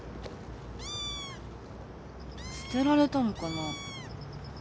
捨てられたのかな。